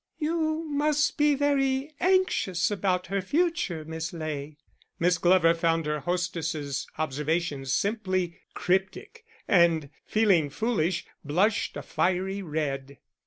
"You must be very anxious about her future, Miss Ley." Miss Glover found her hostess's observations simply cryptic, and, feeling foolish, blushed a fiery red.